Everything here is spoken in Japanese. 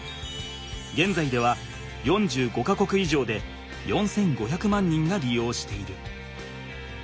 げんざいでは４５か国以上で４，５００万人が利用している。